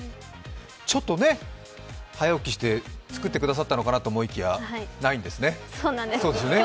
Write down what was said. ちょっと早起きして作ってくださったのかと思いきや、ないんですね。